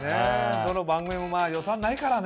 どの番組も予算ないからね。